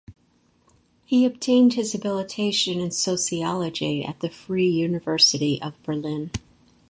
He obtained his Habilitation in sociology at the Free University of Berlin.